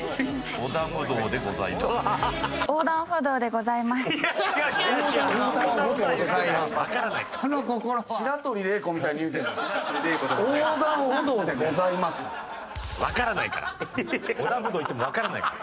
「織田無道」言ってもわからないから。